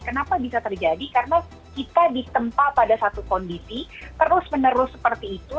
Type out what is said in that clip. kenapa bisa terjadi karena kita ditempa pada satu kondisi terus menerus seperti itu